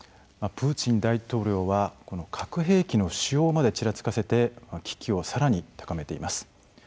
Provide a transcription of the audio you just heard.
プーチン大統領は核兵器の使用までちらつかせて危機をさらに高めています。